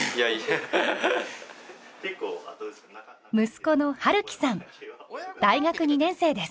息子の春貴さん大学２年生です。